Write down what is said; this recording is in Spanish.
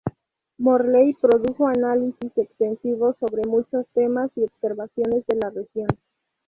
Morley produjo análisis extensivos sobre muchos temas y observaciones de la región.